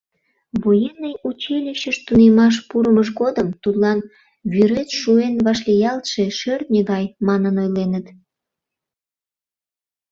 Военный училищыш тунемаш пурымыж годым тудлан «Вӱрет шуэн вашлиялтше, шӧртньӧ гай» манын ойленыт.